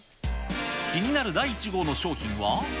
気になる第１号の商品は。